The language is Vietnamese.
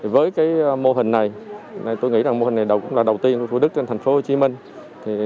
với mô hình này tôi nghĩ mô hình này đầu cũng là đầu tiên của thủ đức trên thành phố hồ chí minh